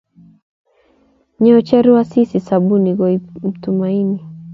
nyechoru asis asubui koibuu mtumaini